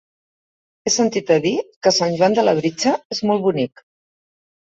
He sentit a dir que Sant Joan de Labritja és molt bonic.